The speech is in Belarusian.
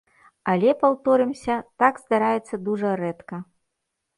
Але, паўторымся, так здараецца дужа рэдка.